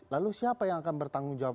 lalu siapa yang akan bertanggung jawab